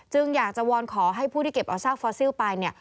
อยากจะวอนขอให้ผู้ที่เก็บเอาซากฟอสซิลไปเนี่ย